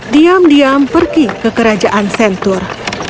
diam diam pergi ke kerajaan sentur